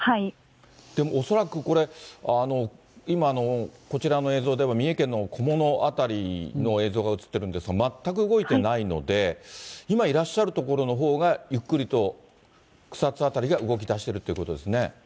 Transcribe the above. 恐らくこれ、今、こちらの映像では、三重県の菰野辺りの映像が映ってるんですが、全く動いてないので、今いらっしゃる所のほうがゆっくりと草津辺りが動きだしてるってはい。